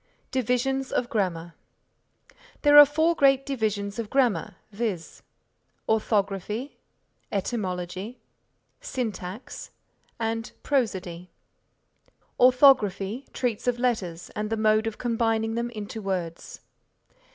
DIVISIONS OF GRAMMAR There are four great divisions of Grammar, viz.: Orthography, Etymology, Syntax, and Prosody. Orthography treats of letters and the mode of combining them into words.